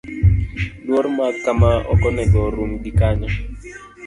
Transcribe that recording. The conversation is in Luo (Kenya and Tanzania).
Luor ma kama ok onego orum gi kanyo.